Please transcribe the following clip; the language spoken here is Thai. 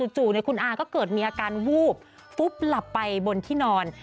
คุณอาก็เกิดมีอาการวูบฟุบหลับไปบนที่นอน